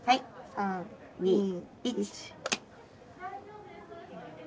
３２１。